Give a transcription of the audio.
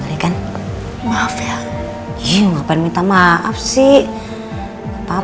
padahal gue kesini pengen ketawa ketawa